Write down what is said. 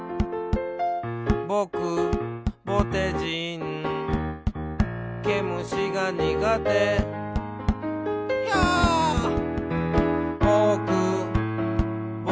「ぼくぼてじん」「けむしがにがて」「ひゃっ」「ぼくぼてじん」